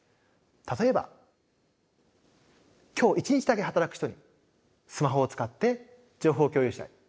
例えば今日一日だけ働く人にスマホを使って情報を共有したい。